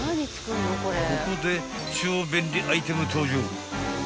［ここで超便利アイテム登場］